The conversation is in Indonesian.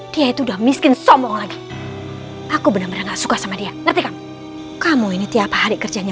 dia itu udah miskin sombong lagi aku bener bener nggak suka sama dia kamu ini tiap hari kerjanya